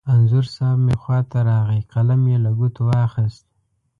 انځور صاحب مې خوا ته راغی، قلم یې له ګوتو واخست.